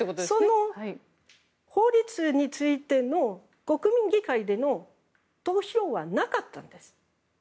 その法律についての国民議会での投票はなかったんです。